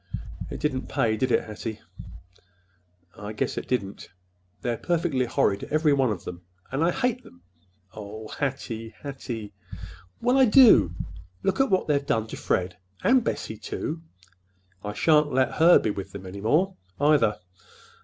"It didn't pay, did it, Hattie?" "I guess it didn't! They're perfectly horrid—every one of them, and I hate them!" "Oh, Hattie, Hattie!" "Well, I do. Look at what they've done to Fred, and Bessie, too! I shan't let her be with them any more, either.